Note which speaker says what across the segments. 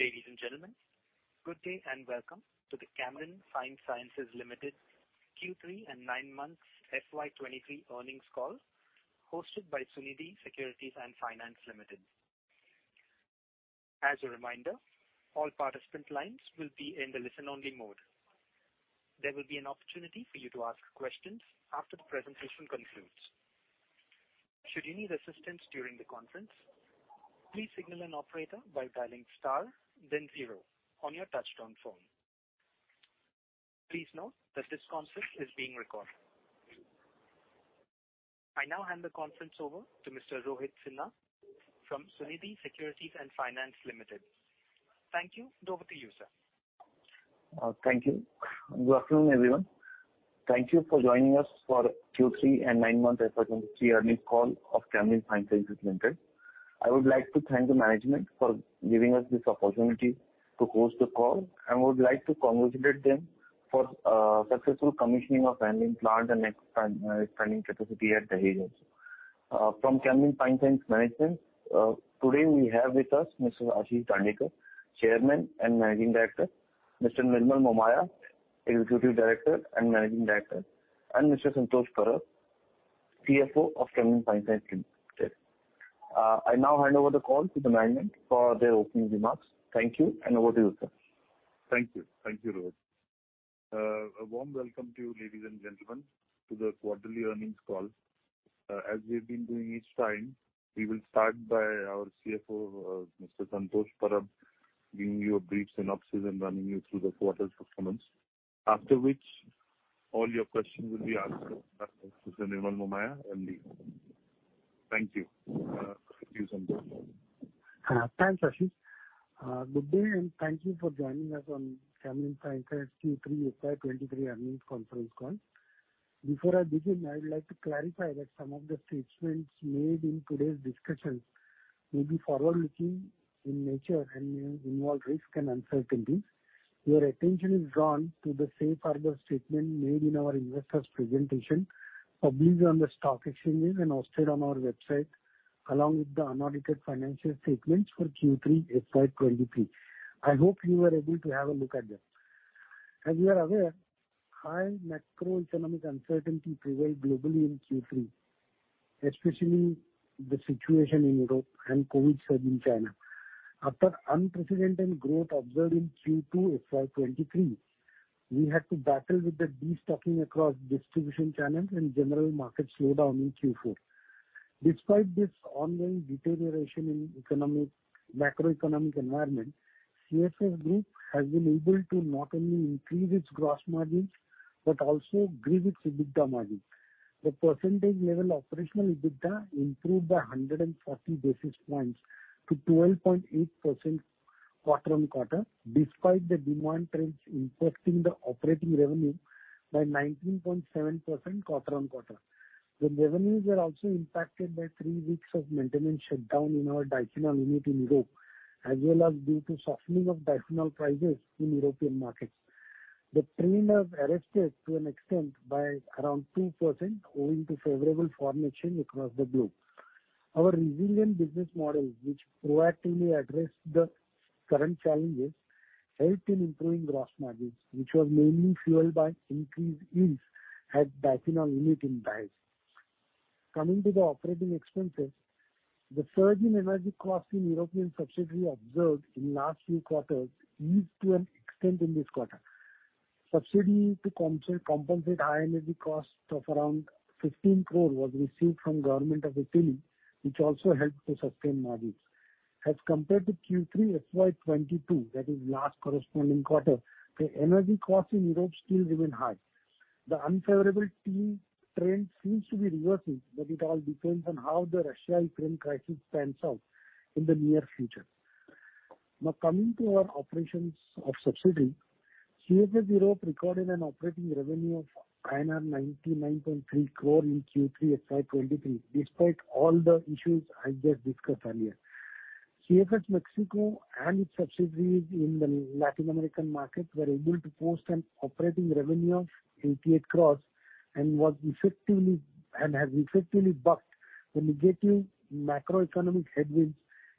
Speaker 1: Ladies and gentlemen, good day and welcome to the Camlin Fine Sciences Limited Q3 and Nine Months FY 2023 Earnings Call hosted by Sunidhi Securities & Finance Limited. As a reminder, all participant lines will be in the listen-only mode. There will be an opportunity for you to ask questions after the presentation concludes. Should you need assistance during the conference, please signal an operator by dialing star zero on your touchtone phone. Please note that this conference is being recorded. I now hand the conference over to Mr. Rohit Sinha from Sunidhi Securities & Finance Limited. Thank you. Over to you, sir.
Speaker 2: Thank you. Good afternoon, everyone. Thank you for joining us for Q3 and 9-month FY23 earnings call of Camlin Fine Sciences Limited. I would like to thank the management for giving us this opportunity to host the call, and I would like to congratulate them for successful commissioning of Vanillin plant and expanding capacity at Dahej also. From Camlin Fine Sciences management, today we have with us Mr. Ashish Dandekar, Chairman and Managing Director, Mr. Nirmal Momaya, Executive Director and Managing Director, and Mr. Santosh Parab, CFO of Camlin Fine Sciences Limited. I now hand over the call to the management for their opening remarks. Thank you, and over to you, sir.
Speaker 3: Thank you. Thank you, Rohit. A warm welcome to you, ladies and gentlemen, to the quarterly earnings call. As we've been doing each time, we will start by our CFO, Mr. Santosh Parab, giving you a brief synopsis and running you through the quarter's performance, after which all your questions will be answered by Mr. Nirmal Momaya, MD. Thank you. Thank you, Santosh.
Speaker 4: Thanks, Ashish. Good day, and thank you for joining us on Camlin Fine Sciences Q3 FY23 earnings conference call. Before I begin, I would like to clarify that some of the statements made in today's discussions may be forward-looking in nature and may involve risk and uncertainties. Your attention is drawn to the safe harbor statement made in our investors' presentation published on the stock exchanges and hosted on our website, along with the unaudited financial statements for Q3 FY23. I hope you were able to have a look at them. As you are aware, high macroeconomic uncertainty prevailed globally in Q3, especially the situation in Europe and COVID surge in China. After unprecedented growth observed in Q2 FY23, we had to battle with the destocking across distribution channels and general market slowdown in Q4. Despite this ongoing deterioration in macroeconomic environment, CFS Group has been able to not only increase its gross margins but also grew its EBITDA margins. The percentage level operational EBITDA improved by 140 basis points to 12.8% quarter-on-quarter, despite the demand trends impacting the operating revenue by 19.7% quarter-on-quarter. The revenues were also impacted by three weeks of maintenance shutdown in our Dicynone unit in Europe as well as due to softening of Dicynone prices in European markets. The trend has arrested to an extent by around 2% owing to favorable foreign exchange across the globe. Our resilient business model, which proactively addressed the current challenges, helped in improving gross margins, which were mainly fueled by increased yields at Dicynone unit in Dahej. Coming to the operating expenses, the surge in energy costs in European subsidiary observed in last few quarters eased to an extent in this quarter. Subsidy to compensate high energy costs of around 15 crore was received from Government of Italy, which also helped to sustain margins. As compared to Q3 FY22, that is last corresponding quarter, the energy costs in Europe still remain high. The unfavorable trend seems to be reversing, but it all depends on how the Russia-Ukraine crisis pans out in the near future. Coming to our operations of subsidiary, CFS Europe recorded an operating revenue of INR 99.3 crore in Q3 FY23, despite all the issues I just discussed earlier. CFS Mexico and its subsidiaries in the Latin American markets were able to post an operating revenue of 88 crores and has effectively bucked the negative macroeconomic headwinds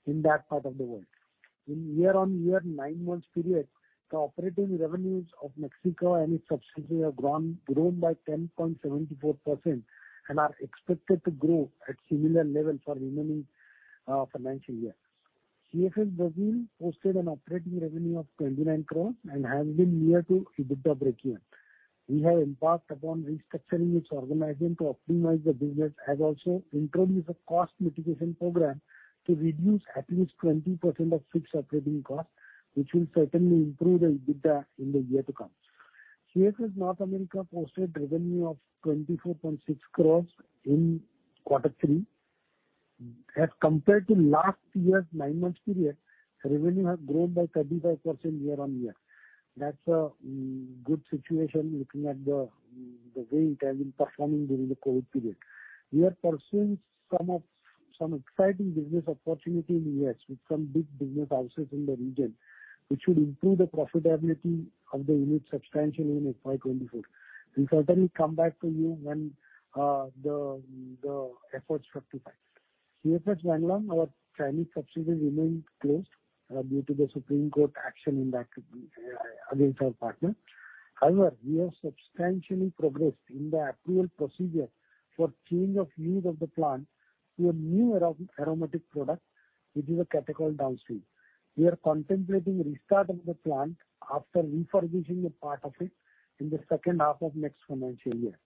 Speaker 4: in that part of the world. In year-on-year nine months period, the operating revenues of Mexico and its subsidiaries have grown by 10.74% and are expected to grow at similar level for remaining financial year. CFS Brazil posted an operating revenue of 29 crores and has been near to EBITDA break-even. We have embarked upon restructuring its organization to optimize the business and also introduced a cost mitigation program to reduce at least 20% of fixed operating costs, which will certainly improve the EBITDA in the year to come. CFS North America posted revenue of 24.6 crores in quarter three. As compared to last year's nine months period, revenue has grown by 35% year-over-year. That's a good situation looking at the way it has been performing during the COVID period. We are pursuing some exciting business opportunity in the US with some big business houses in the region, which will improve the profitability of the unit substantially in FY 2024. We'll certainly come back to you when the efforts fructify. CFS Vadodara, our Chinese subsidiary remained closed due to the Supreme Court action in that against our partner. However, we have substantially progressed in the approval procedure for change of use of the plant to a new aromatic product, which is a catechol downstream. We are contemplating restart of the plant after refurbishing a part of it in the second half of next financial year.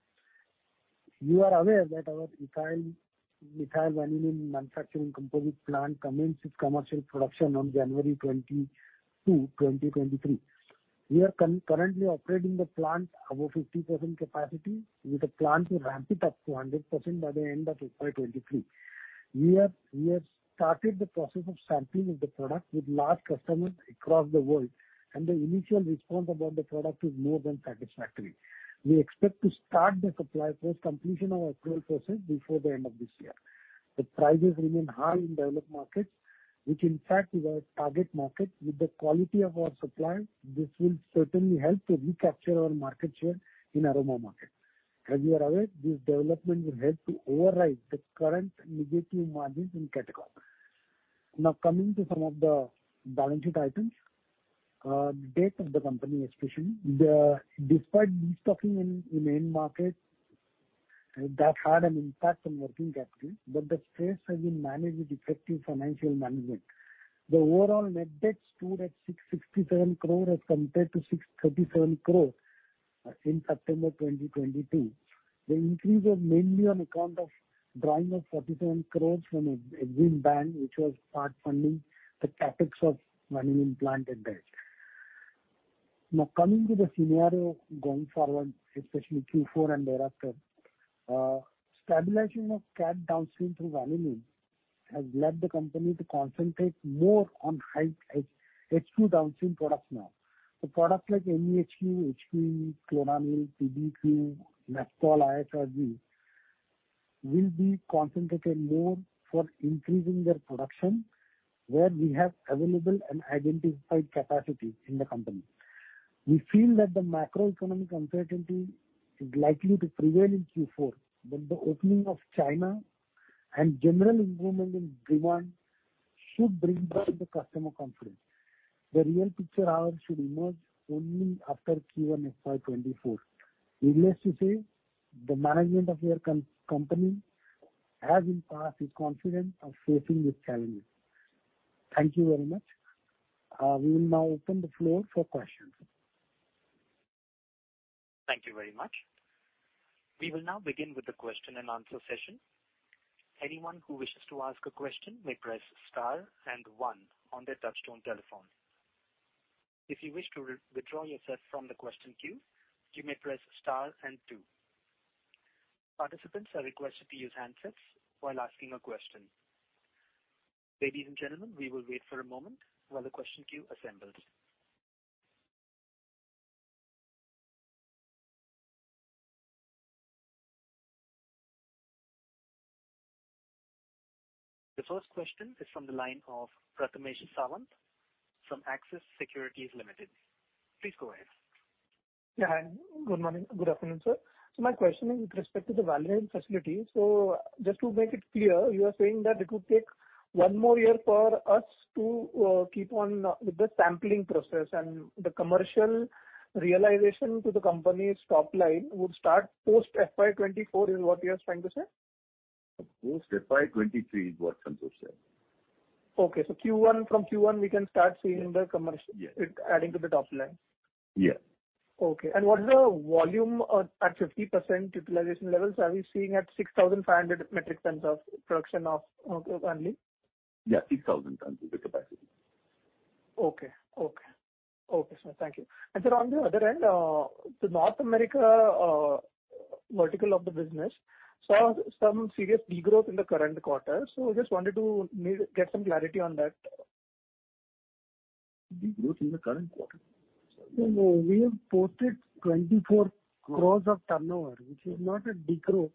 Speaker 4: You are aware that our ethyl, methyl vanillin manufacturing composite plant commenced its commercial production on January 22, 2023. We are concurrently operating the plant above 50% capacity with a plan to ramp it up to 100% by the end of FY23. We have started the process of sampling of the product with large customers across the world. The initial response about the product is more than satisfactory. We expect to start the supply post completion of approval process before the end of this year. The prices remain high in developed markets, which in fact is our target market. With the quality of our supply, this will certainly help to recapture our market share in aroma market. As you are aware, this development will help to override the current negative margins in catechol. Coming to some of the balancing items. Debt of the company especially. Despite destocking in end markets, that had an impact on working capital, but the stress has been managed with effective financial management. Overall net debt stood at 667 crore as compared to 637 crore in September 2022. Increase was mainly on account of drawing of 47 crore from a Dena Bank, which was part funding the CapEx of Vanillin plant at best. Coming to the scenario going forward, especially Q4 and thereafter. Stabilization of cat downstream through vanillin has led the company to concentrate more on high H-H2 downstream products now. Products like MEHQ, HQ, Chloranil, PBQ, Naphthol, IH or G will be concentrated more for increasing their production, where we have available and identified capacity in the company. We feel that the macroeconomic uncertainty is likely to prevail in Q4, but the opening of China and general improvement in demand should bring back the customer confidence. The real picture however should emerge only after Q1 FY 2024. Needless to say, the management of your company, as in past, is confident of facing this challenge. Thank you very much. We will now open the floor for questions.
Speaker 1: Thank you very much. We will now begin with the question and answer session. Anyone who wishes to ask a question may press star and one on their touchtone telephone. If you wish to re-withdraw yourself from the question queue, you may press star and two. Participants are requested to use handsets while asking a question. Ladies and gentlemen, we will wait for a moment while the question queue assembles. The first question is from the line of Prathamesh Sawant from Axis Securities Limited. Please go ahead.
Speaker 5: Yeah. Good morning. Good afternoon, sir. My question is with respect to the vanillin facility. Just to make it clear, you are saying that it would take one more year for us to keep on with the sampling process and the commercial realization to the company's top line would start post FY 2024 is what you are trying to say?
Speaker 6: Post FY 2023 is what Santosh said.
Speaker 5: Okay. Q1, from Q1 we can start seeing the commercial.
Speaker 6: Yeah.
Speaker 5: it adding to the top line.
Speaker 6: Yeah.
Speaker 5: Okay. What is the volume at 50% utilization levels? Are we seeing at 6,500 metric tons of production of only?
Speaker 6: Yeah, 6,000 tons is the capacity.
Speaker 5: Okay. Okay. Okay. Sir, thank you. Sir, on the other end, the North America vertical of the business saw some serious de-growth in the current quarter. I just wanted to get some clarity on that.
Speaker 6: De-growth in the current quarter. No, we have posted 24 crores of turnover, which is not a de-growth.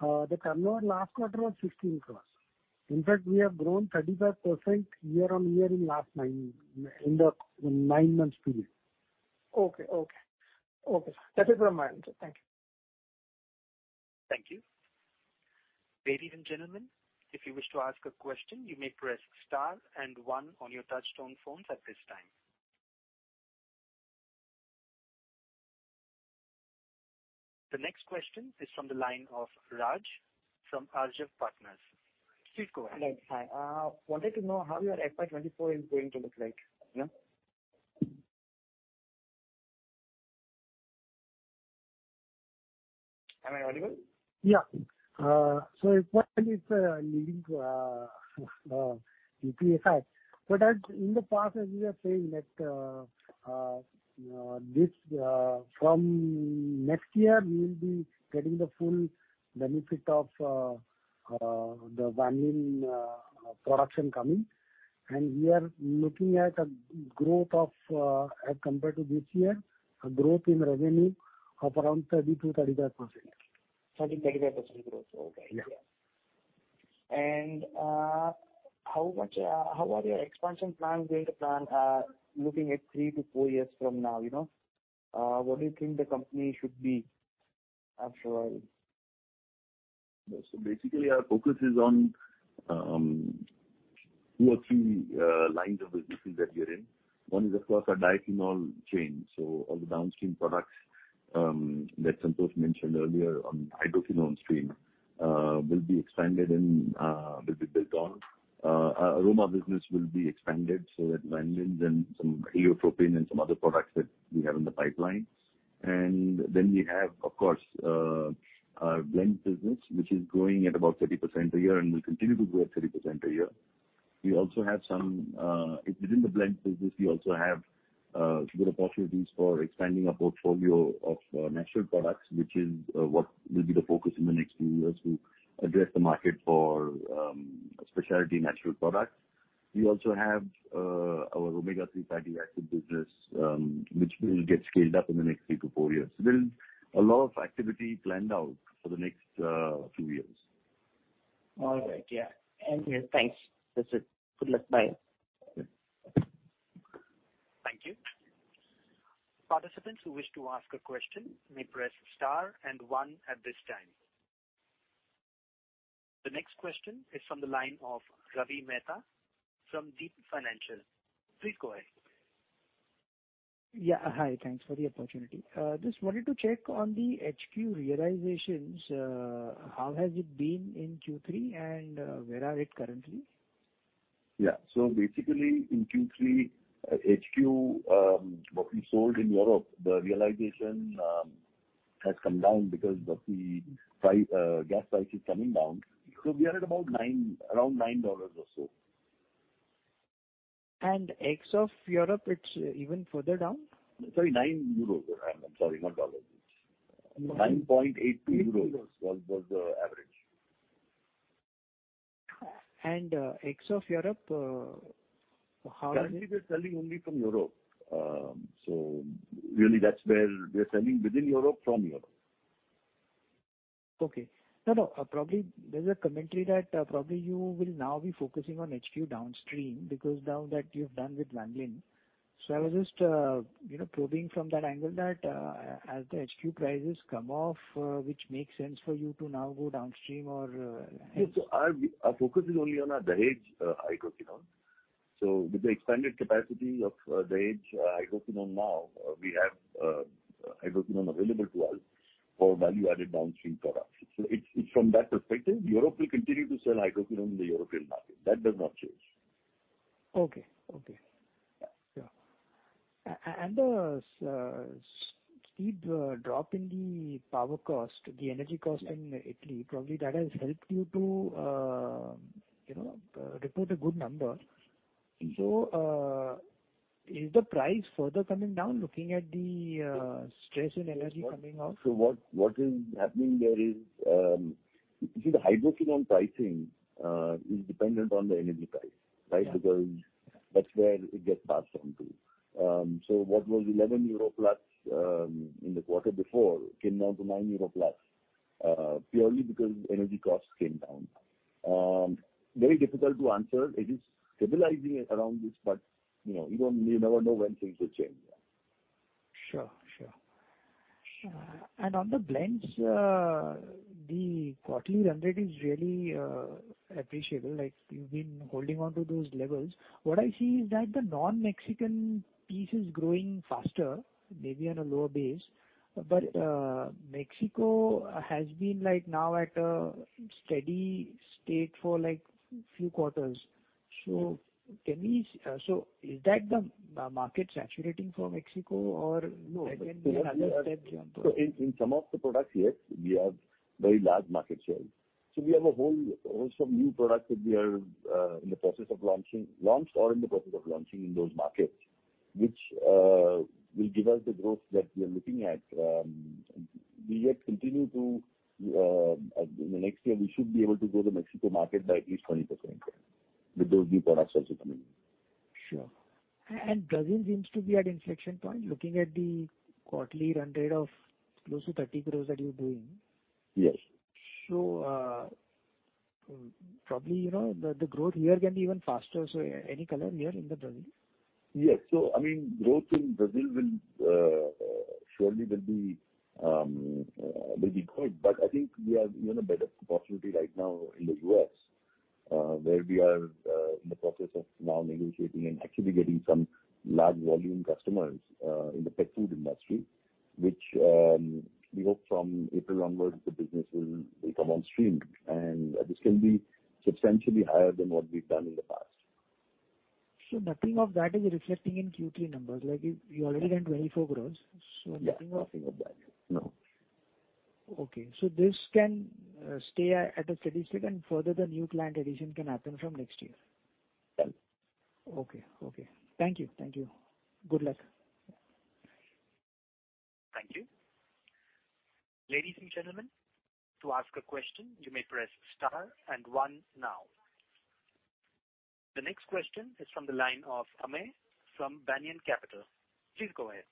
Speaker 6: The turnover last quarter was 16 crores. In fact, we have grown 35% year-on-year in the 9 months period. Okay, okay. Okay. That is where I'm at. Thank you.
Speaker 1: Thank you. Ladies and gentlemen, if you wish to ask a question, you may press star and one on your touchtone phones at this time. The next question is from the line of Raj from Arjun Partners. Please go ahead.
Speaker 7: Hello. Hi. Wanted to know how your FY 2024 is going to look like. Yeah. Am I audible?
Speaker 4: FY 2024 is leading to EBITDA. As in the past as we are saying that, this from next year we will be getting the full benefit of the vanillin production coming. We are looking at a growth of as compared to this year, a growth in revenue of around 30%-35%.
Speaker 7: 30%-35% growth. Okay.
Speaker 4: Yeah.
Speaker 7: And, uh- How are your expansion plans going to plan, looking at three to four years from now, you know? What do you think the company should be after all?
Speaker 6: Basically, our focus is on two or three lines of businesses that we are in. One is, of course, our diphenol chain. All the downstream products that Santosh mentioned earlier on hydroquinone stream will be expanded and will be built on. Our aroma business will be expanded, so that vanillin and some heliotropin and some other products that we have in the pipeline. We have, of course, our blends business, which is growing at about 30% a year and will continue to grow at 30% a year. We also have some. Within the blends business, we also have good opportunities for expanding our portfolio of natural products, which is what will be the focus in the next few years to address the market for specialty natural products. We also have our omega-3 fatty acid business, which will get scaled up in the next three to four years. There's a lot of activity planned out for the next few years.
Speaker 7: All right. Yeah. Yeah, thanks. That's it. Good luck. Bye.
Speaker 6: Okay.
Speaker 1: Thank you. Participants who wish to ask a question may press star and one at this time. The next question is from the line of Ravi Mehta from Deep Financial. Please go ahead.
Speaker 8: Yeah. Hi. Thanks for the opportunity. Just wanted to check on the HQ realizations. How has it been in Q3 and where are it currently?
Speaker 6: Basically in Q3, HQ, what we sold in Europe, the realization has come down because of the gas price is coming down. We are at about around $9 or so.
Speaker 8: Ex of Europe it's even further down?
Speaker 6: Sorry, 9 euros. I'm sorry, not dollars. 9.82 EUR.
Speaker 8: 9.8 euros.
Speaker 6: was the average.
Speaker 8: Ex of Europe, how is it?
Speaker 6: Currently we are selling only from Europe. really that's where we are selling within Europe from Europe.
Speaker 8: Okay. No, no. Probably there's a commentary that, probably you will now be focusing on HQ downstream because now that you've done with vanillin. I was just, you know, probing from that angle that, as the HQ prices come off, which makes sense for you to now go downstream or, ahead.
Speaker 6: Yes. Our focus is only on the Dahej hydroquinone. With the expanded capacity of Dahej hydroquinone now, we have hydroquinone available to us for value-added downstream products. It's from that perspective. Europe will continue to sell hydroquinone in the European market. That does not change.
Speaker 8: Okay. Yeah. And the steep drop in the power cost, the energy cost in Italy, probably that has helped you to, you know, report a good number. Is the price further coming down looking at the stress in energy coming out?
Speaker 6: What is happening there is, you see the hydroquinone pricing, is dependent on the energy price, right?
Speaker 8: Yeah.
Speaker 6: That's where it gets passed on to. What was 11 euro plus in the quarter before came down to 9 euro plus purely because energy costs came down. Very difficult to answer. It is stabilizing around this, but, you know, you never know when things will change.
Speaker 8: Sure. Sure. Sure. On the blends, the quarterly run rate is really appreciable. Like, you've been holding on to those levels. What I see is that the non-Mexican piece is growing faster, maybe on a lower base. Mexico has been like now at a steady state for like few quarters. Can we... is that the market saturating for Mexico or-
Speaker 6: No.
Speaker 8: Can we have a steady growth?
Speaker 6: In some of the products, yes, we have very large market shares. We have a whole, also new products that we are in the process of launching, launched or in the process of launching in those markets, which will give us the growth that we are looking at. We yet continue to, in the next year we should be able to grow the Mexico market by at least 20% with those new products also coming in.
Speaker 8: Sure. Brazil seems to be at inflection point, looking at the quarterly run rate of close to 30 crores that you're doing.
Speaker 6: Yes.
Speaker 8: Probably, you know, the growth here can be even faster. Any color here in the Brazil?
Speaker 6: Yes. I mean, growth in Brazil will surely be good, but I think we have even a better opportunity right now in the U.S., where we are in the process of now negotiating and actually getting some large volume customers in the pet food industry, which we hope from April onwards the business will become on stream. This can be substantially higher than what we've done in the past.
Speaker 8: Nothing of that is reflecting in Q3 numbers. Like, you already done 24 crores.
Speaker 6: Yeah. Nothing of that. No.
Speaker 8: Okay. This can stay at a steady state and further the new client addition can happen from next year?
Speaker 6: Yes.
Speaker 8: Okay. Okay. Thank you. Thank you. Good luck.
Speaker 6: Yeah.
Speaker 1: Thank you. Ladies and gentlemen, to ask a question, you may press star and one now. The next question is from the line of Amay from Banyan Capital. Please go ahead.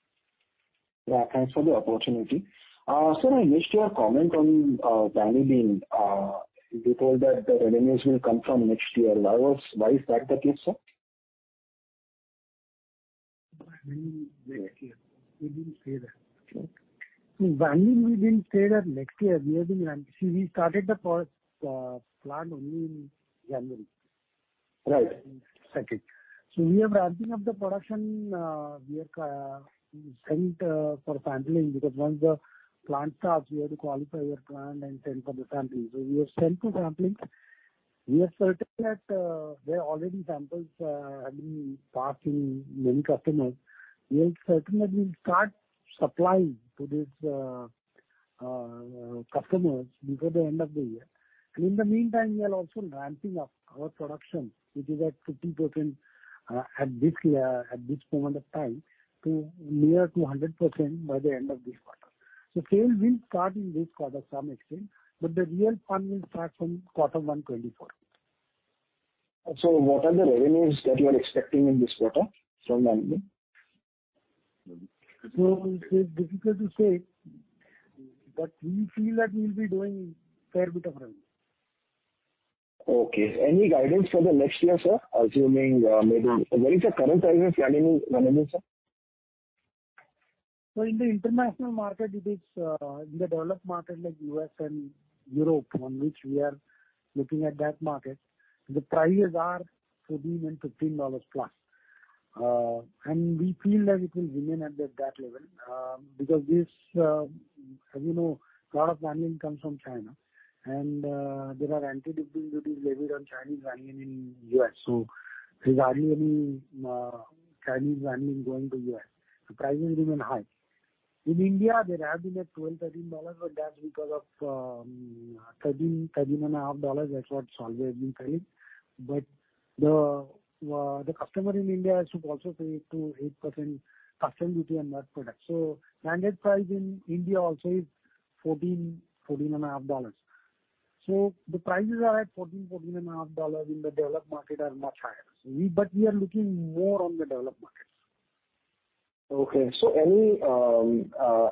Speaker 9: Yeah, thanks for the opportunity. Sir, I missed your comment on vanillin. You told that the revenues will come from next year. Why is that the case, sir?
Speaker 4: Vanillin next year. We didn't say that.
Speaker 9: Okay.
Speaker 4: In vanillin we didn't say that next year. See we started the plant only in January.
Speaker 9: Right.
Speaker 4: Second. We are ramping up the production, we are sent for sampling, because once the plant starts, we have to qualify your plant and send for the sampling. We have sent for sampling. We are certain that there are already samples have been passed in many customers. We are certain that we'll start supplying to these customers before the end of the year. In the meantime, we are also ramping up our production, which is at 50%, at this year, at this point of time to near to 100% by the end of this quarter. Sales will start in this quarter, some extent, but the real fun will start from Q1 2024.
Speaker 9: What are the revenues that you are expecting in this quarter from vanillin?
Speaker 4: It is difficult to say, but we feel that we'll be doing fair bit of revenue.
Speaker 9: Okay. Any guidance for the next year, sir? Assuming, what is the current price of vanillin, sir?
Speaker 4: In the international market, it is in the developed market like US and Europe, on which we are looking at that market, the prices are $13 and $15 plus. We feel that it will remain at that level, because this, as you know, lot of vanillin comes from China and there are anti-dumping duties levied on Chinese vanillin in US. There's hardly any Chinese vanillin going to US. The prices remain high. In India, there have been a $12, $13, that's because of $13, thirteen and a half dollars. That's what's always been paying. The customer in India has to also pay to 8% custom duty on that product. Landed price in India also is $14, fourteen and a half dollars. The prices are at $14 and a half dollars. In the developed market are much higher. We are looking more on the developed markets.
Speaker 9: Okay. Any, you are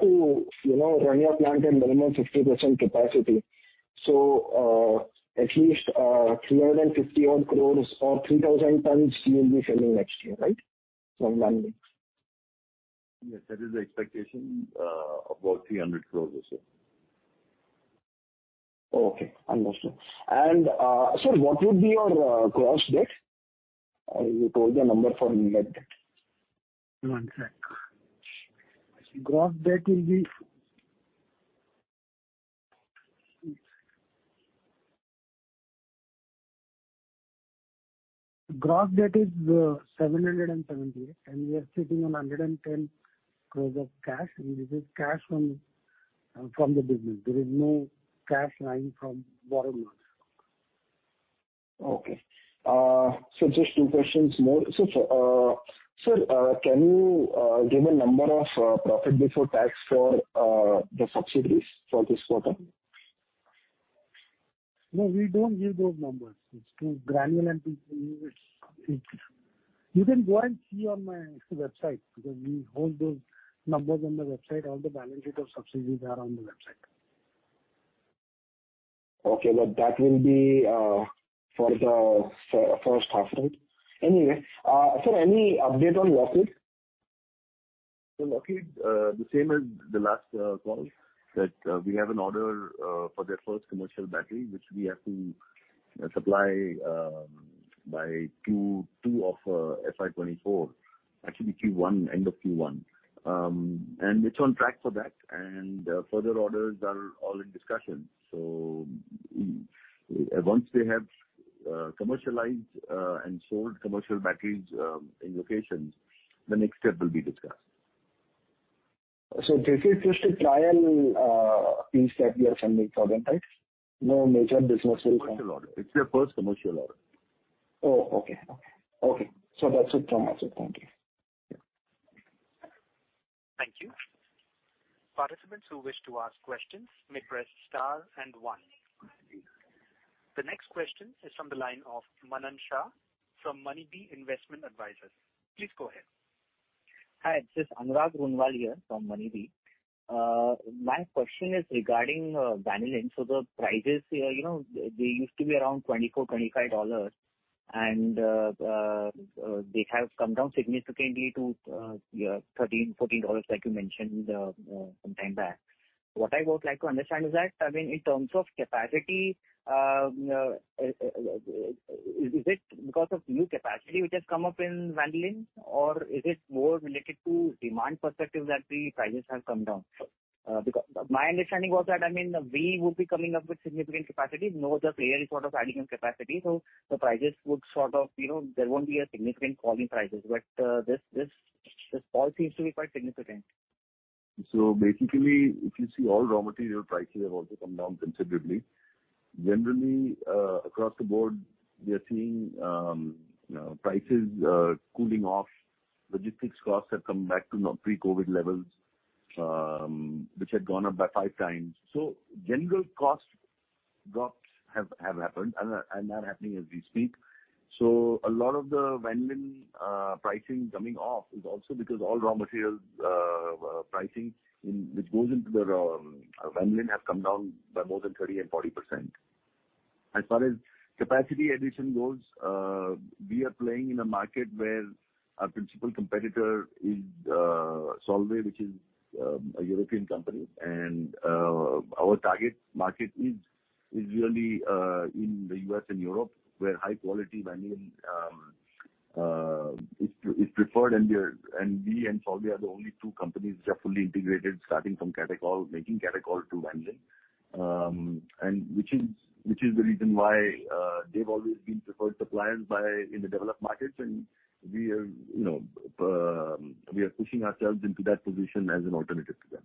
Speaker 9: to, you know, run your plant at minimum 50% capacity. At least, 351 crores or 3,000 tons you will be selling next year, right? From vanillin.
Speaker 6: Yes, that is the expectation, about 300 crores or so.
Speaker 9: Okay, understood. sir, what would be your gross debt? You told the number for net debt.
Speaker 4: One sec. Gross debt is 778 crores. We are sitting on 110 crores of cash. This is cash from the business. There is no cash lying from borrowed money.
Speaker 9: Okay. Just two questions more. Sir, can you give a number of profit before tax for the subsidiaries for this quarter?
Speaker 4: No, we don't give those numbers. It's too granular and people use it. You can go and see on my website, because we hold those numbers on the website. All the balance sheet of subsidiaries are on the website.
Speaker 9: Okay. That will be for a conference. Anyway, sir, any update on Lockheed?
Speaker 6: Lockheed, the same as the last call, that we have an order for their first commercial battery, which we have to supply by Q2 of FY 2024. Actually Q1, end of Q1. It's on track for that. Further orders are all in discussion. Once they have commercialized and sold commercial batteries in locations, the next step will be discussed.
Speaker 9: This is just a trial, piece that you are sending for them, right? No major business will come.
Speaker 6: Commercial order. It's their first commercial order.
Speaker 9: Oh, okay. Okay. Okay, that's it from us. Thank you.
Speaker 6: Yeah.
Speaker 1: Thank you. Participants who wish to ask questions may press star and one. The next question is from the line of Manan Shah from Moneybee Investment Advisors. Please go ahead.
Speaker 10: Hi, this is Anurag Roonwal here from Moneybee. Uh, my question is regarding, uh, vanillin. So the prices, uh, you know, they, they used to be around twenty-four, twenty-five dollars. And, uh, uh, uh, they have come down significantly to, uh, yeah, $13, $14 like you mentioned, uh, uh, some time back. What I would like to understand is that, I mean, in terms of capacity, uh, uh, uh, is, is it because of new capacity which has come up in vanillin or is it more related to demand perspective that the prices have come down? Uh, because my understanding was that, I mean, we would be coming up with significant capacity. No other player is sort of adding in capacity. So the prices would sort of, you know, there won't be a significant fall in prices. But, uh, this, this, this fall seems to be quite significant.
Speaker 6: Basically, if you see all raw material prices have also come down considerably. Generally, across the board, we are seeing prices cooling off. Logistics costs have come back to now pre-COVID levels, which had gone up by five times. General cost drops have happened and are happening as we speak. A lot of the vanillin pricing coming off is also because all raw materials pricing in, which goes into the raw vanillin has come down by more than 30% and 40%. As far as capacity addition goes, we are playing in a market where our principal competitor is Solvay, which is a European company. Our target market is really in the U.S. and Europe, where high quality vanillin is preferred. We and Solvay are the only two companies which are fully integrated, starting from catechol, making catechol to vanillin. Which is the reason why, they've always been preferred suppliers by in the developed markets and we are, you know, we are pushing ourselves into that position as an alternative to them.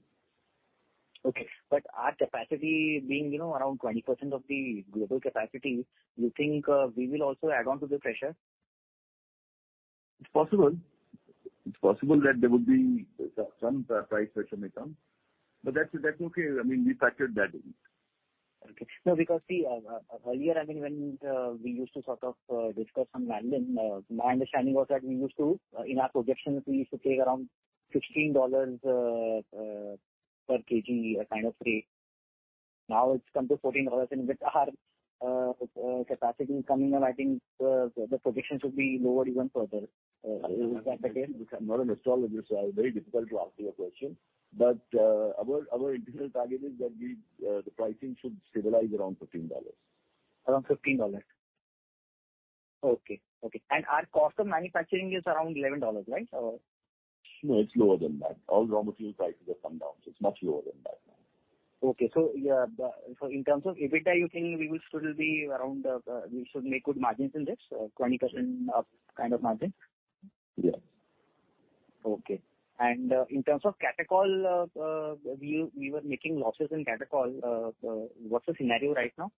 Speaker 10: Okay. Our capacity being, you know, around 20% of the global capacity, you think, we will also add on to the pressure?
Speaker 6: It's possible. It's possible that there would be some price pressure may come, but that's okay. I mean, we factored that in.
Speaker 11: Okay. No, because see, earlier, I mean, when we used to sort of, discuss on vanillin, my understanding was that we used to, in our projections, we used to take around $16 per kg kind of rate. Now it's come to $14. With our capacity coming up, I think, the projections would be lower even further. Is that the case?
Speaker 6: Look, I'm not an astrologist, so very difficult to answer your question. Our internal target is that we, the pricing should stabilize around $15.
Speaker 11: Around $15? Okay. Okay. Our cost of manufacturing is around $11, right? Or...
Speaker 6: No, it's lower than that. All raw material prices have come down, so it's much lower than that now.
Speaker 11: Okay. Yeah, so in terms of EBITDA, you think we will still be around, we should make good margins in this, 20% up kind of margin?
Speaker 6: Yes.
Speaker 11: Okay. In terms of catechol, we were making losses in catechol. What's the scenario right now?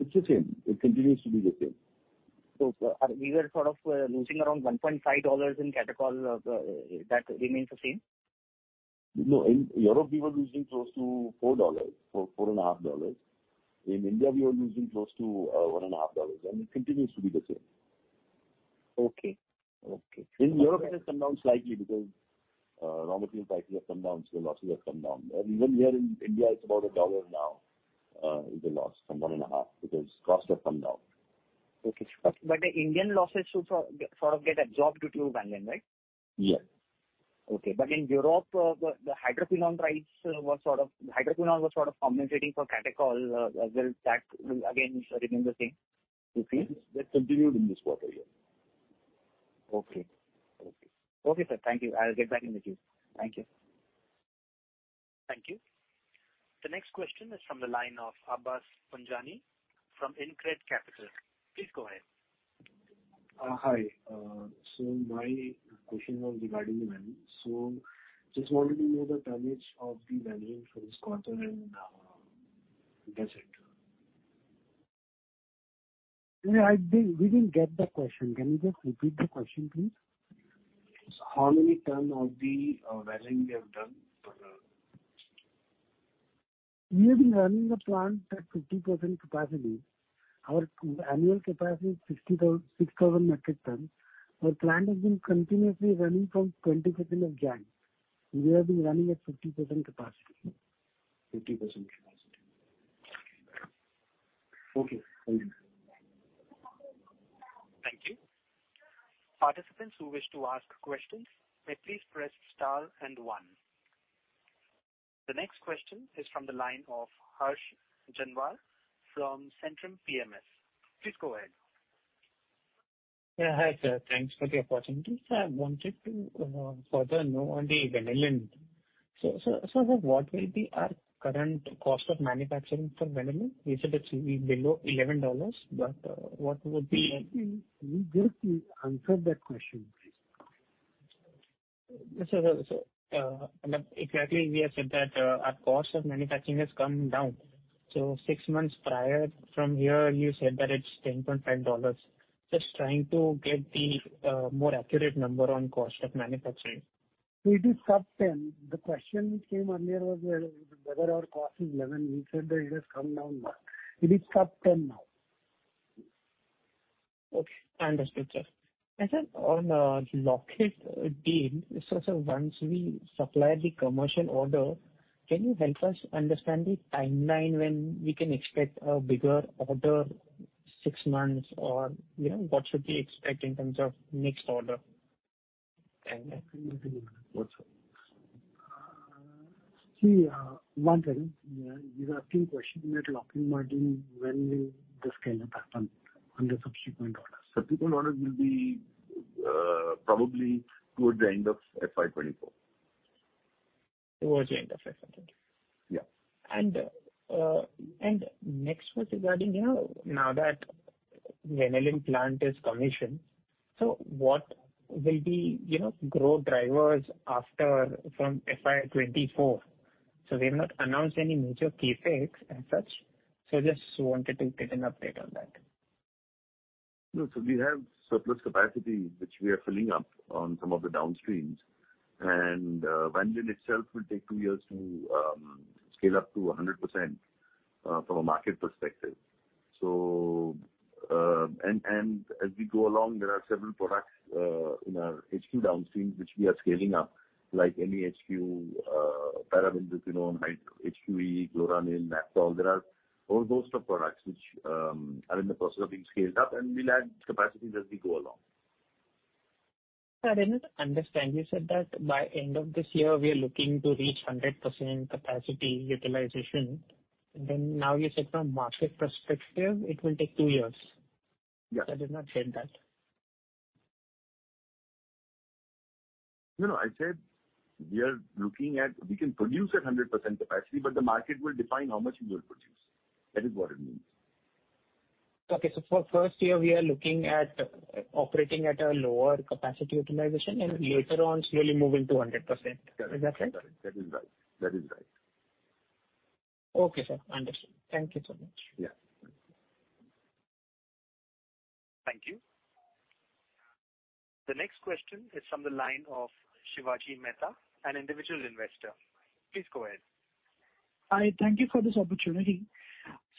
Speaker 6: It's the same. It continues to be the same.
Speaker 11: We were sort of losing around $1.5 in catechol. That remains the same?
Speaker 6: No. In Europe we were losing close to $4, four and a half dollars. In India we were losing close to one and a half dollars, and it continues to be the same.
Speaker 11: Okay. Okay.
Speaker 6: In Europe it has come down slightly because raw material prices have come down, so losses have come down. Even here in India, it's about $1 now, is the loss, from one and a half, because costs have come down.
Speaker 11: Okay. The Indian losses should sort of get absorbed due to vanillin, right?
Speaker 6: Yes.
Speaker 11: Okay. In Europe, The Hydroquinone was sort of compensating for catechol. Will that again remain the same, you think?
Speaker 6: That continued in this quarter, yeah.
Speaker 11: Okay. Okay. Okay, sir. Thank you. I'll get back in the queue. Thank you.
Speaker 1: Thank you. The next question is from the line of Abbas Panjani from InCred Capital. Please go ahead.
Speaker 12: Hi. My question was regarding vanillin. Just wanted to know the tonnage of the vanillin for this quarter, and that's it.
Speaker 4: I didn't, we didn't get the question. Can you just repeat the question, please?
Speaker 12: How many ton of the vanillin we have done for the?
Speaker 4: We have been running the plant at 50% capacity. Our annual capacity is 6,000 metric ton. Our plant has been continuously running from 25th of January. We have been running at 50% capacity.
Speaker 12: 50% capacity. Okay. Thank you.
Speaker 1: Thank you. Participants who wish to ask questions may please press star and one. The next question is from the line of Harsh Jhanwar from Centrum PMS. Please go ahead.
Speaker 13: Hi, sir. Thanks for the opportunity. Sir, I wanted to further know on the vanillin. What will be our current cost of manufacturing for vanillin? You said it's below $11, but what would be-
Speaker 4: We just answered that question.
Speaker 13: Exactly we have said that our cost of manufacturing has come down. Six months prior from here you said that it's $10.5. Just trying to get the more accurate number on cost of manufacturing.
Speaker 4: It is sub 10. The question came earlier was whether our cost is 11. We said that it has come down now. It is sub 10 now.
Speaker 13: Okay. Understood, sir. Sir, on Lockheed deal, so sir, once we supply the commercial order, can you help us understand the timeline when we can expect a bigger order, six months or, you know, what should we expect in terms of next order?
Speaker 6: 1 second. There are few questions in that Lockheed Martin when will the scale-up happen on the subsequent orders?
Speaker 4: Subsequent orders will be, probably towards the end of FY 2024.
Speaker 13: Towards the end of FY 2024.
Speaker 4: Yeah.
Speaker 13: Next was regarding, you know, now that Vanillin plant is commissioned, so what will be, you know, growth drivers after from FY 2024? We have not announced any major CapEx as such, so just wanted to get an update on that.
Speaker 6: No, so we have surplus capacity which we are filling up on some of the downstreams. vanillin itself will take two years to scale up to 100% from a market perspective. as we go along, there are several products in our HQ downstream which we are scaling up, like MEHQ, paraben Dicynone, HQEE, Chloranil, Naphthol. There are whole host of products which are in the process of being scaled up and we'll add capacity as we go along.
Speaker 13: Sir, I didn't understand. You said that by end of this year we are looking to reach 100% capacity utilization. Now you said from market perspective it will take 2 years.
Speaker 6: Yeah.
Speaker 13: I did not get that.
Speaker 6: No, we can produce at 100% capacity. The market will define how much we will produce. That is what it means.
Speaker 13: Okay. For first year we are looking at operating at a lower capacity utilization-
Speaker 6: Yes.
Speaker 13: Later on slowly moving to 100%. Is that right?
Speaker 6: That is right. That is right.
Speaker 13: Okay, sir. Understood. Thank you so much.
Speaker 6: Yeah.
Speaker 1: Thank you. The next question is from the line of Shivaji Mehta, an individual investor. Please go ahead.
Speaker 14: Hi. Thank you for this opportunity.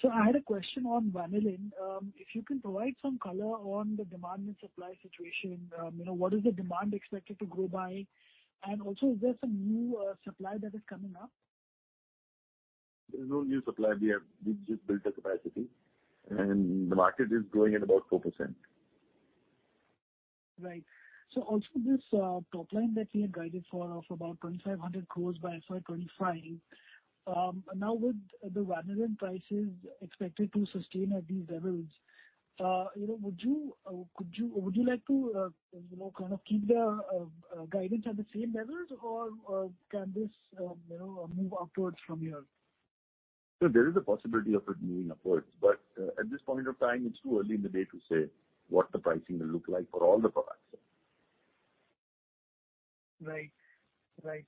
Speaker 14: I had a question on vanillin. If you can provide some color on the demand and supply situation? You know, what is the demand expected to grow by? Is there some new supply that is coming up?
Speaker 6: There's no new supply. We've just built the capacity. The market is growing at about 4%.
Speaker 14: Right. Also this top line that we had guided for of about 2,500 crores by FY25. Now with the vanillin prices expected to sustain at these levels, you know, would you like to, you know, kind of keep the guidance at the same levels or can this, you know, move upwards from here?
Speaker 6: There is a possibility of it moving upwards, but, at this point of time, it's too early in the day to say what the pricing will look like for all the products.
Speaker 14: Right. Right.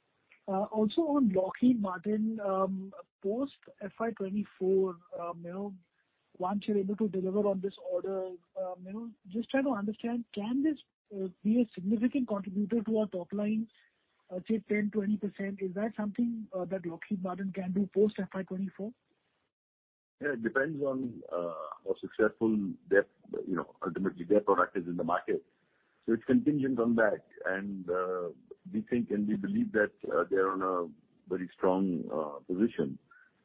Speaker 14: also on Lockheed Martin, post FY 2024, you know, once you're able to deliver on this order, you know, just trying to understand, can this, be a significant contributor to our top line, say 10%-20%? Is that something, that Lockheed Martin can do post FY 2024?
Speaker 6: Yeah, it depends on how successful their, you know, ultimately their product is in the market. It's contingent on that. We think and we believe that, they're on a very strong position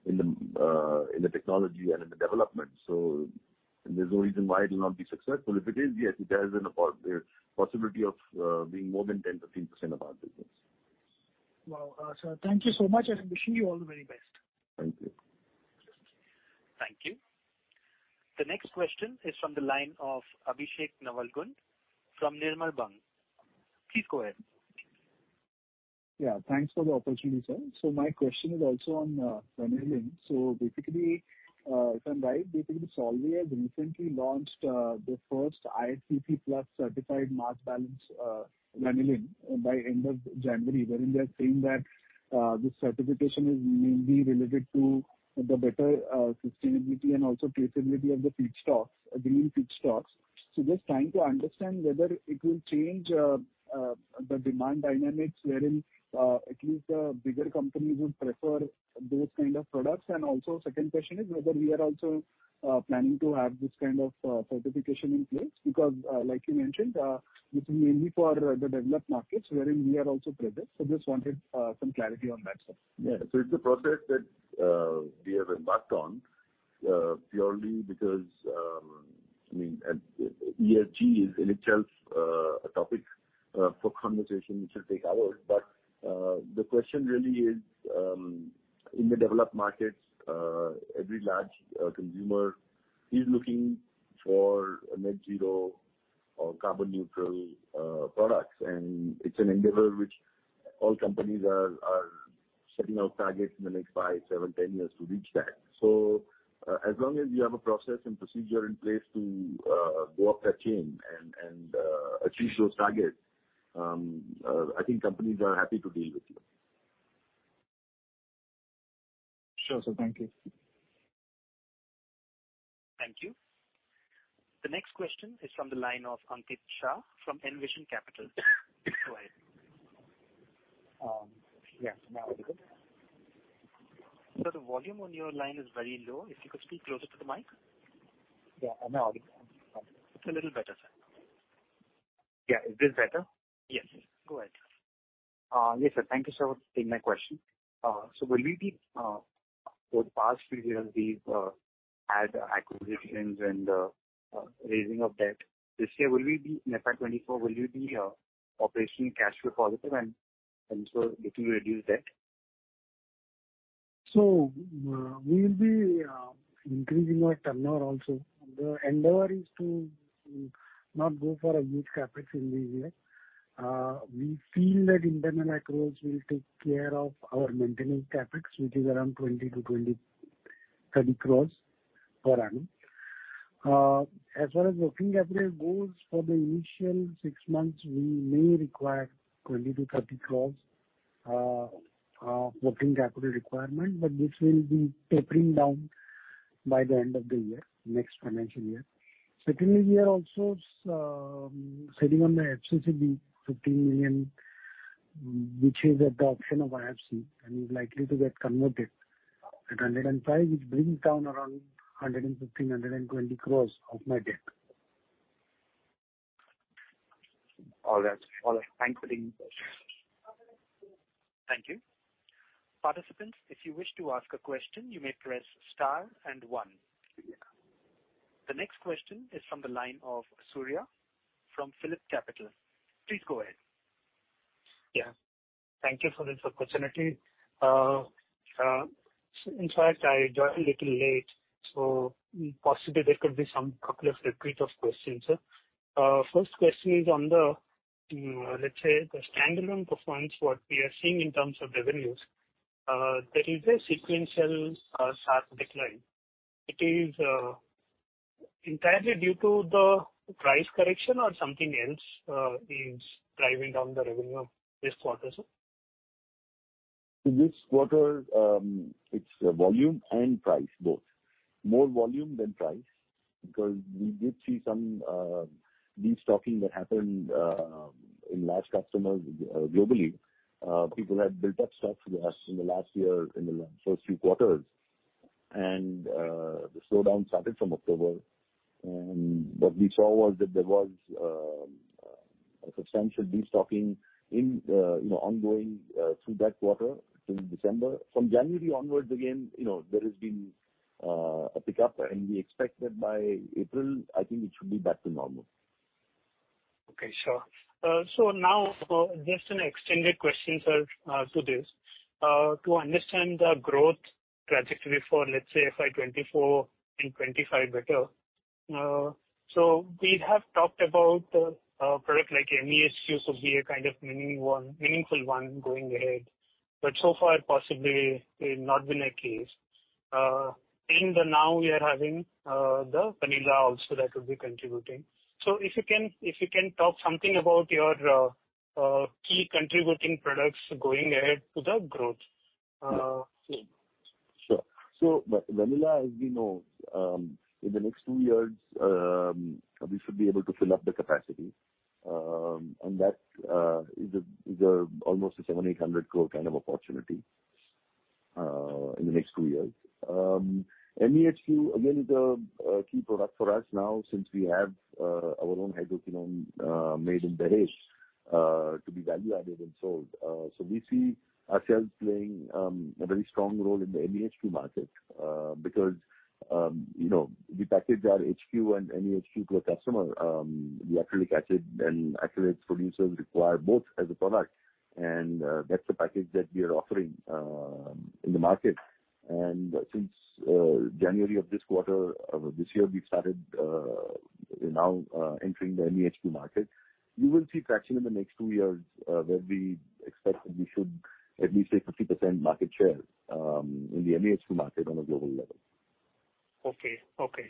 Speaker 6: in the technology and in the development. There's no reason why it will not be successful. If it is, yes, it has the possibility of being more than 10%-15% of our business.
Speaker 14: Wow. Sir, thank you so much and wishing you all the very best.
Speaker 6: Thank you.
Speaker 1: Thank you. The next question is from the line of Abhishek Navalgund from Nirmal Bang. Please go ahead.
Speaker 15: Yeah, thanks for the opportunity, sir. My question is also on vanillin. Basically, if I'm right, Solvay has recently launched the first ISCC PLUS certified mass balance vanillin by end of January, wherein they are saying that this certification is mainly related to the better sustainability and also traceability of the feedstocks, green feedstocks. Just trying to understand whether it will change the demand dynamics wherein at least the bigger companies would prefer those kind of products? Also second question is whether we are also planning to have this kind of certification in place? Like you mentioned, this is mainly for the developed markets wherein we are also present. Just wanted some clarity on that, sir.
Speaker 6: It's a process that we have embarked on purely because, I mean, ESG is in itself a topic for conversation which will take hours. The question really is, in the developed markets, every large consumer is looking for a net zero or carbon neutral products. It's an endeavor which all companies are setting out targets in the next five, seven, 10 years to reach that. As long as you have a process and procedure in place to go up that chain and achieve those targets, I think companies are happy to deal with you.
Speaker 15: Sure, sir. Thank you.
Speaker 1: Thank you. The next question is from the line of Ankit Shah from Envision Capital. Please go ahead.
Speaker 16: Yes. Now is it good?
Speaker 1: Sir, the volume on your line is very low. If you could speak closer to the mic.
Speaker 16: Yeah. Am I audible now?
Speaker 1: It's a little better, sir.
Speaker 16: Yeah. Is this better?
Speaker 1: Yes. Go ahead.
Speaker 16: Yes, sir. Thank you, sir, for taking my question. For the past few years, we've had acquisitions and raising of debt. In FY 2024, will you be operationally cash flow positive and so it will reduce debt?
Speaker 17: We will be increasing our turnover also. The endeavor is to not go for a huge CapEx in this year. We feel that internal accruals will take care of our maintenance CapEx, which is around 20-30 crores per annum. As far as working capital goes, for the initial six months, we may require 20-30 crores. working capital requirement, but this will be tapering down by the end of the year, next financial year. Secondly, we are also sitting on the FCCB $15 million, which is at the option of IFC and is likely to get converted at 105, which brings down around 115-120 crores of my debt.
Speaker 16: All right. All right. Thank you, Dinesh.
Speaker 1: Thank you. Participants, if you wish to ask a question, you may press star and one. The next question is from the line of Surya from PhillipCapital. Please go ahead.
Speaker 18: Yeah. Thank you for this opportunity. In fact, I joined a little late, so possibly there could be some couple of repeat of questions. First question is on the, let's say, the standalone performance, what we are seeing in terms of revenues. There is a sequential, sharp decline. It is entirely due to the price correction or something else, is driving down the revenue this quarter, sir?
Speaker 6: This quarter, it's volume and price both. More volume than price because we did see some destocking that happened in large customers globally. People had built up stocks last in the last year in the first few quarters. The slowdown started from October. What we saw was that there was a substantial destocking in, you know, ongoing through that quarter till December. From January onwards again, you know, there has been a pickup, and we expect that by April, I think it should be back to normal.
Speaker 18: Okay. Sure. Now, just an extended question, sir, to this. To understand the growth trajectory for, let's say, FY 2024 and 2025 better. We have talked about a product like MEHQ, so be a kind of meaningful one going ahead. So far, possibly it not been a case. In the now we are having the vanillin also that will be contributing. If you can talk something about your key contributing products going ahead to the growth.
Speaker 6: Sure. Vanilla, as we know, in the next 2 years, we should be able to fill up the capacity. That is almost a 700-800 crore kind of opportunity in the next two years. MEHQ again is a key product for us now since we have our own hydroquinone made in Bharuch to be value added and sold. We see ourselves playing a very strong role in the MEHQ market because, you know, we package our HQ and MEHQ to a customer. The acrylic acid and acrylic producers require both as a product. That's the package that we are offering in the market. Since January of this year, we've started now entering the MEHQ market. You will see traction in the next two years, where we expect that we should at least take 50% market share, in the MEHQ market on a global level.
Speaker 18: Okay. Okay.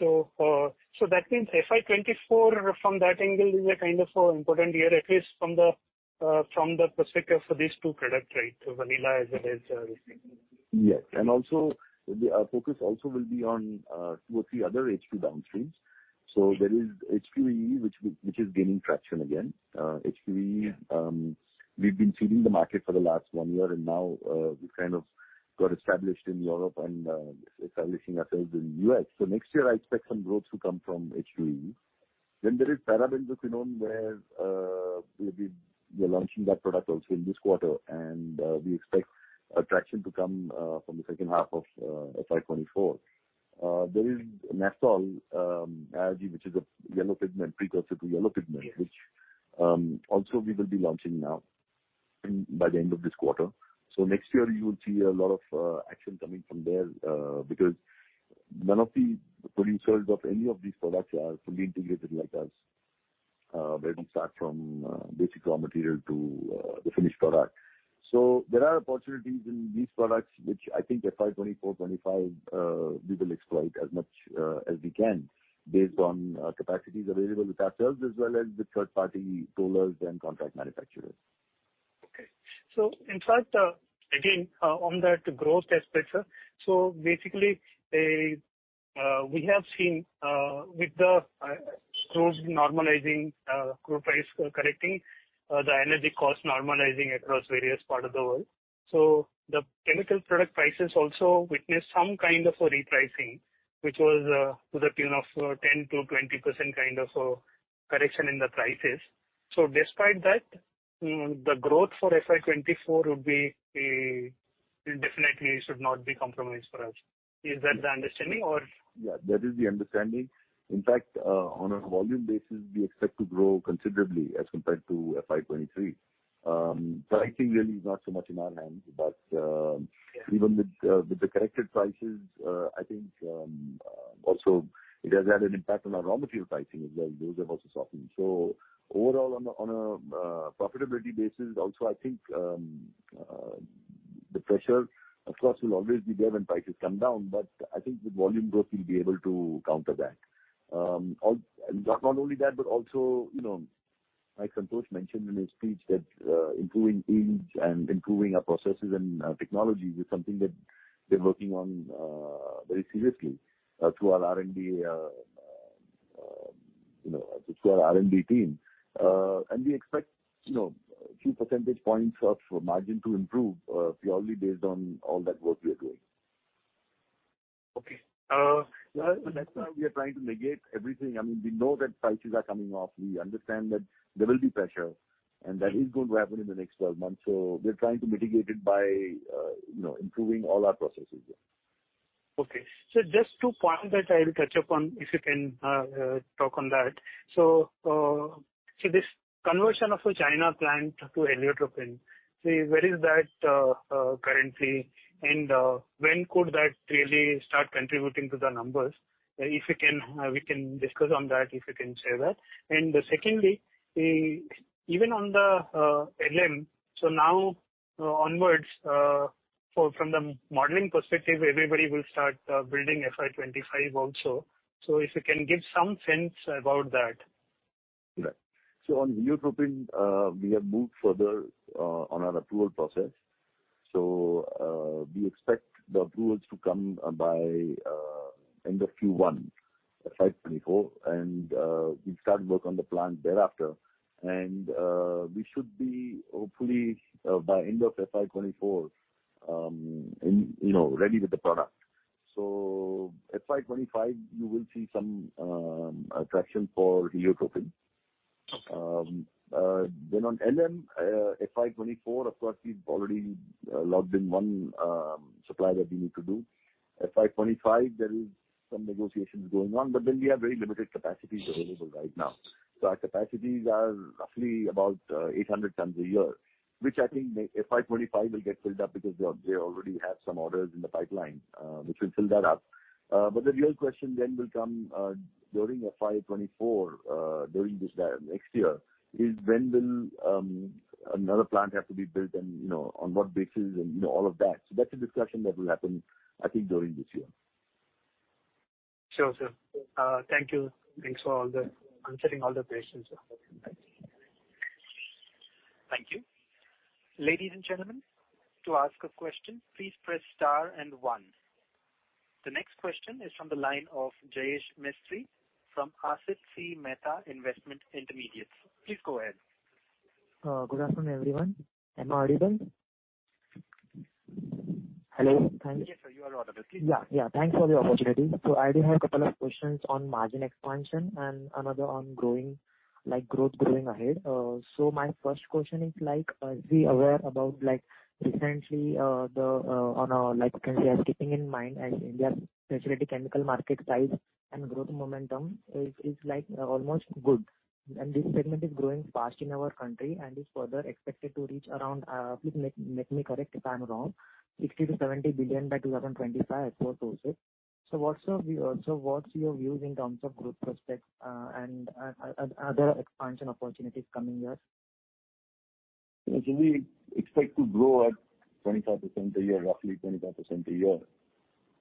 Speaker 18: That means FY 2024 from that angle is a kind of a important year, at least from the, from the perspective for these two product, right? vanillin as well as MEHQ.
Speaker 6: Yes. Also, the focus also will be on two or three other HQ downstreams. There is HQEE which is gaining traction again. HQEE, we've been seeding the market for the last 1 year, and now, we kind of got established in Europe and establishing ourselves in U.S. Next year I expect some growth to come from HQEE. There is Para-Benzoquinone where we're launching that product also in this quarter. We expect attraction to come from the second half of FY 2024. There is Naphthol AS-IRG which is a yellow pigment, precursor to yellow pigment.
Speaker 18: Yes.
Speaker 6: which also we will be launching now by the end of this quarter. Next year you will see a lot of action coming from there, because none of the producers of any of these products are fully integrated like us, where we start from basic raw material to the finished product. There are opportunities in these products which I think FY 2024, 2025, we will exploit as much as we can based on capacities available with ourselves as well as with third-party tollers and contract manufacturers.
Speaker 18: Okay. In fact, again, on that growth aspect, sir, basically, we have seen, with the, screws normalizing, crude price correcting, the energy cost normalizing across various part of the world. The chemical product prices also witnessed some kind of a repricing, which was to the tune of 10%-20% kind of a correction in the prices. Despite that, the growth for FY 2024 would be, definitely should not be compromised for us. Is that the understanding or?
Speaker 6: Yeah, that is the understanding. In fact, on a volume basis, we expect to grow considerably as compared to FY23. Pricing really is not so much in our hands.
Speaker 18: Yes.
Speaker 6: Even with the corrected prices, I think, also it has had an impact on our raw material pricing as well. Those have also softened. Overall on a profitability basis also I think. The pressure, of course, will always be there when prices come down, but I think the volume growth will be able to counter that. Not only that, but also, you know, like Santosh mentioned in his speech that improving yield and improving our processes and technologies is something that we're working on very seriously through our R&D team. We expect, you know, a few percentage points of margin to improve purely based on all that work we are doing.
Speaker 18: Okay.
Speaker 6: Yeah, that's why we are trying to negate everything. I mean, we know that prices are coming off. We understand that there will be pressure, and that is going to happen in the next 12 months. We're trying to mitigate it by, you know, improving all our processes, yeah.
Speaker 18: Okay. Just two points that I will touch upon, if you can talk on that. This conversion of the China plant to heliotropin, so where is that currently? When could that really start contributing to the numbers? If you can, we can discuss on that, if you can share that. Secondly, even on the LM, so now onwards, from the modeling perspective, everybody will start building FY 25 also. If you can give some sense about that.
Speaker 6: Right. On heliotropin, we have moved further on our approval process. We expect the approvals to come by end of Q1 FY24. We'll start work on the plant thereafter. We should be hopefully by end of FY24, in, you know, ready with the product. FY25, you will see some traction for heliotropin.
Speaker 18: Okay.
Speaker 6: Then on LM, FY24, of course, we've already logged in one supply that we need to do. FY25, there is some negotiations going on. We have very limited capacities available right now. Our capacities are roughly about 800 tons a year, which I think FY25 will get filled up because they already have some orders in the pipeline, which will fill that up. The real question then will come during FY24, during this next year, is when will another plant have to be built and, you know, on what basis and, you know, all of that. That's a discussion that will happen, I think, during this year.
Speaker 18: Sure, sir. Thank you. Thanks for answering all the questions.
Speaker 6: Okay. Thanks.
Speaker 1: Thank you. Ladies and gentlemen, to ask a question, please press star 1. The next question is from the line of Jayesh Mestry from Asit C. Mehta Investment Intermediates. Please go ahead.
Speaker 19: Good afternoon, everyone. Am I audible? Hello. Thank you.
Speaker 1: Yes, sir. You are audible. Please go ahead.
Speaker 19: Yeah. Thanks for the opportunity. I do have a couple of questions on margin expansion and another on growing, like growth going ahead. My first question is, like, are we aware about, like, recently, the, on a, like, country aspecting in mind and India's specialty chemical market size and growth momentum is, like, almost good. This segment is growing fast in our country and is further expected to reach around, please, make me correct if I'm wrong, 60 billion-70 billion by 2025 as per sources. What's your view, sir? What's your view in terms of growth prospects and other expansion opportunities coming years?
Speaker 6: We expect to grow at roughly 25% a year.
Speaker 19: Okay.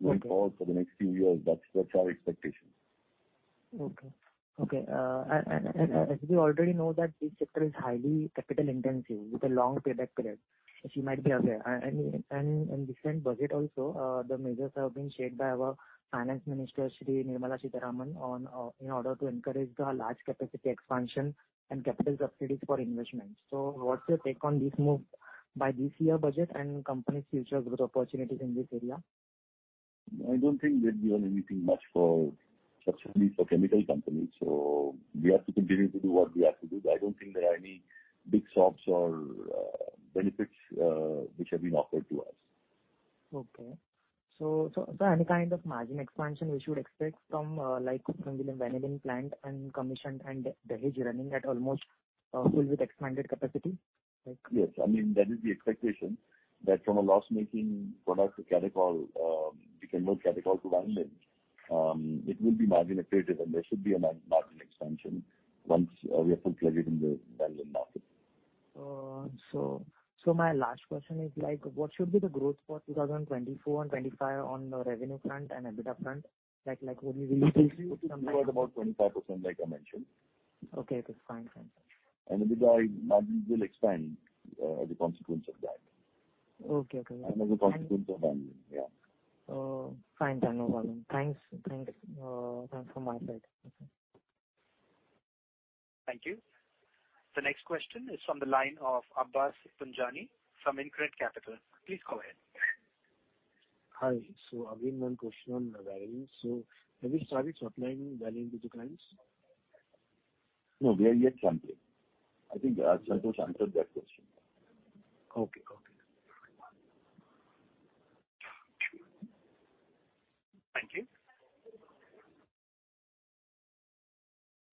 Speaker 6: -going forward for the next few years. That's our expectation.
Speaker 19: Okay. Okay. As we already know that this sector is highly capital-intensive with a long payback period, as you might be aware. In recent budget also, the measures have been shared by our Finance Minister, Shri Nirmala Sitharaman, on, in order to encourage the large capacity expansion and capital subsidies for investments. What's your take on this move by this year budget and company's future growth opportunities in this area?
Speaker 6: I don't think they've given anything much for subsidies for chemical companies. We have to continue to do what we have to do. I don't think there are any big shops or benefits which have been offered to us.
Speaker 19: Okay. Any kind of margin expansion we should expect from, like from the Vanillin plant and commission and Delhi running at almost, full with expanded capacity?
Speaker 6: Yes. I mean, that is the expectation, that from a loss-making product to catechol, we convert catechol to vanillin. It will be margin accretive, and there should be a margin expansion once we are full fledged in the vanillin market.
Speaker 19: My last question is, like, what should be the growth for 2024 and 2025 on the revenue front and EBITDA front? like, would you release some.
Speaker 6: It should be at about 25%, like I mentioned.
Speaker 19: Okay. That's fine. Thanks.
Speaker 6: EBITDA margin will expand as a consequence of that.
Speaker 19: Okay. Okay.
Speaker 6: As a consequence of vanillin. Yeah.
Speaker 19: Oh, fine. No problem. Thanks. Thanks. That's from my side.
Speaker 1: Thank you. The next question is from the line of Abbas Panjani from InCred Capital. Please go ahead.
Speaker 12: Hi. Again, one question on vanillin. Have you started supplying vanillin to clients?
Speaker 6: No, we are yet sampling. I think, Santosh answered that question.
Speaker 12: Okay. Okay.
Speaker 1: Thank you.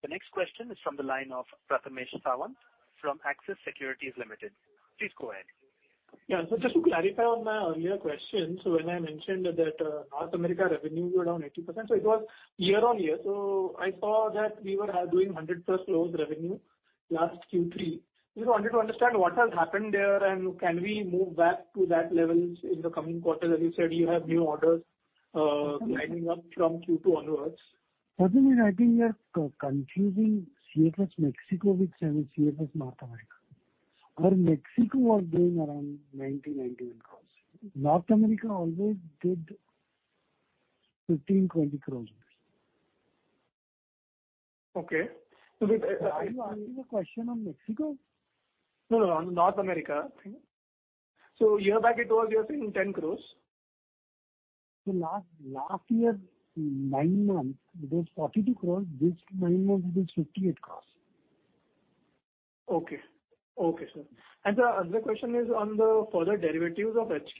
Speaker 1: The next question is from the line of Prathamesh Sawant from Axis Securities Limited. Please go ahead.
Speaker 5: Just to clarify on my earlier question, when I mentioned that North America revenue were down 80%, it was year-over-year. I saw that we were doing 100+ crores revenue last Q3. We just wanted to understand what has happened there and can we move back to that level in the coming quarter? As you said, you have new orders, lining up from Q2 onwards.
Speaker 6: Pardon, I think you are co-confusing CFS Mexico with CFS North America. Our Mexico was doing around 90-91 crores. North America always did 15-20 crores.
Speaker 5: Okay.
Speaker 6: Are you asking the question on Mexico?
Speaker 5: No, no, on North America. A year back it was, you're saying 10 crores.
Speaker 6: Last year, nine months it was 42 crores. This nine months it is 58 crores.
Speaker 5: Okay. Okay, sir. The other question is on the further derivatives of HQ.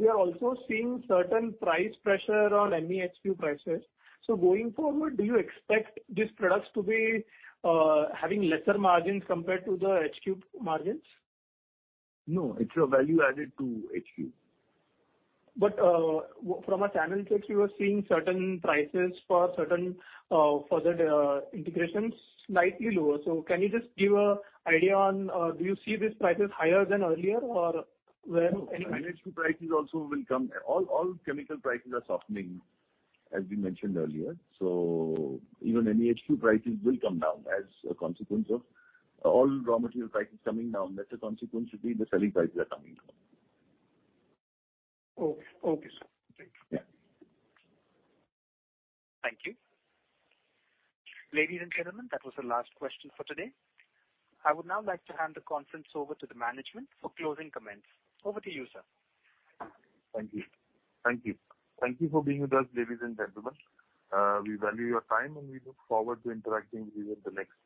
Speaker 5: We are also seeing certain price pressure on MEHQ prices. Going forward, do you expect these products to be having lesser margins compared to the HQ margins?
Speaker 6: No, it's a value added to HQ.
Speaker 5: From a channel check, we were seeing certain prices for certain, further, integrations slightly lower. Can you just give a idea on, do you see these prices higher than earlier? Or where, any?
Speaker 6: No, MEHQ prices also will come. All chemical prices are softening, as we mentioned earlier. Even MEHQ prices will come down as a consequence of all raw material prices coming down. As a consequence should be the selling prices are coming down.
Speaker 5: Okay. Okay, sir. Thank you.
Speaker 6: Yeah.
Speaker 1: Thank you. Ladies and gentlemen, that was the last question for today. I would now like to hand the conference over to the management for closing comments. Over to you, sir.
Speaker 6: Thank you for being with us, ladies and gentlemen. We value your time. We look forward to interacting with you at the next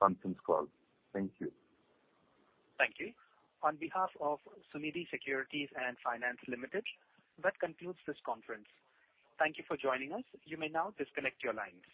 Speaker 6: conference call. Thank you.
Speaker 1: Thank you. On behalf of Sunidhi Securities & Finance Limited, that concludes this conference. Thank you for joining us. You may now disconnect your lines.